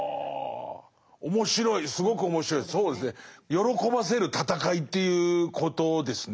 喜ばせる戦いということですね。